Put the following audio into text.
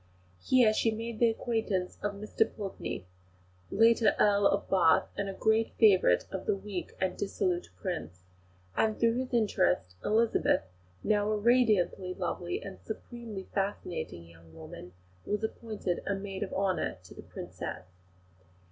Here she made the acquaintance of Mr Pulteney, later Earl of Bath, a great favourite of the weak and dissolute Prince; and through his interest, Elizabeth, now a radiantly lovely and supremely fascinating young woman, was appointed a maid of honour to the Princess.